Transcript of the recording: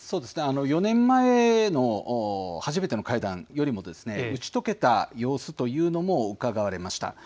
４年前の初めての会談よりも打ち解けた様子というのもうかがわれました。